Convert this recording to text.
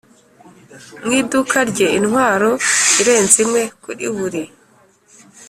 mu iduka rye intwaro irenze imwe kuri buri